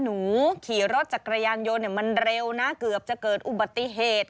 ขี่รถจักรยานยนต์มันเร็วนะเกือบจะเกิดอุบัติเหตุ